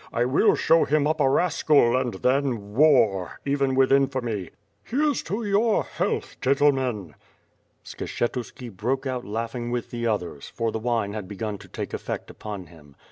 I will show him up as a rascal, and then war — even with infamy." "Here's to your health, gentlemen." Skshetuski broke out laughing with the others, for the wine had begun to take effect upon him.